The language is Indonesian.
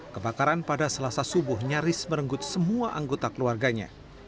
kebakaran pada selasa subuh nyaris merenggut semua anggota keluarganya